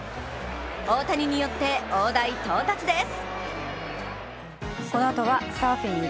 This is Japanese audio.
大谷によって大台到達です！